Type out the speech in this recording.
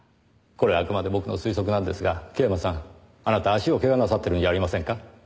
これはあくまで僕の推測なんですが桂馬さんあなた足を怪我なさってるんじゃありませんか？